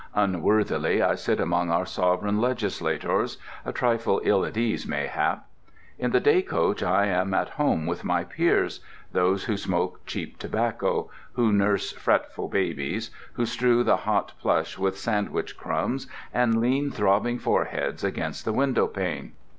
Unworthily I sit among our sovereign legislators, a trifle ill at ease mayhap. In the day coach I am at home with my peers—those who smoke cheap tobacco; who nurse fretful babies; who strew the hot plush with sandwich crumbs and lean throbbing foreheads against the window pane.